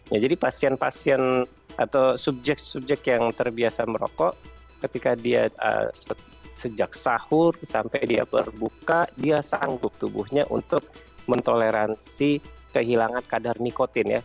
ya jadi pasien pasien atau subjek subjek yang terbiasa merokok ketika dia sejak sahur sampai dia berbuka dia sanggup tubuhnya untuk mentoleransi kehilangan kadar nikotin ya